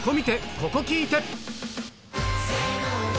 ここ聴いて！